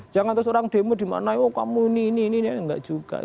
jangan terus orang demo di mana oh kamu ini ini ini ini